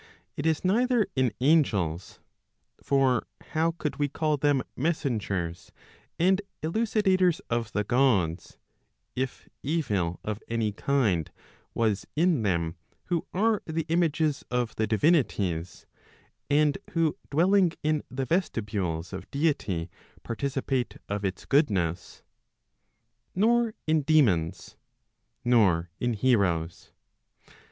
it is neither in angels; (for how could we call them messengers and elucidators of the Gods, if evil of any kind was in them who are the images of the divinities, and who dwelling in the vestibules of deity participate of its goodness ?) nor in daemons, nor in heroes.